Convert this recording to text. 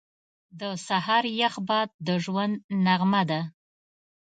• د سهار یخ باد د ژوند نغمه ده.